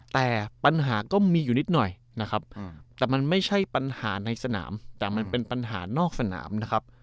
แต่ปัญหาก็มีอยู่นิดหน่อยนะครับแต่มันไม่ใช่ปัญหาในสนามแต่มันเป็นปัญหานอกสนามนะครับ